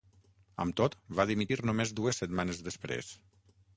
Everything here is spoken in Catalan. Amb tot, va dimitir només dues setmanes després.